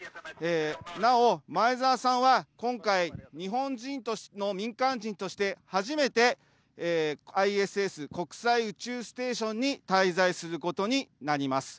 なお、前澤さんは今回、日本人の民間人として初めてＩＳＳ・国際宇宙ステーションに滞在することになります。